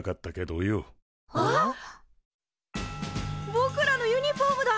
ぼくらのユニフォームだ！